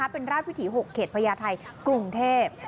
เป็นราชวิถี๖เขตพญาไทยกรุงเทพ